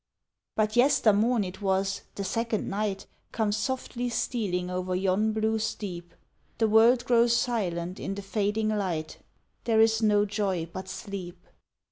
But yestermorn it was, the second night Comes softly stealing over yon blue steep; The world grows silent in the fading light, There is no joy but sleep.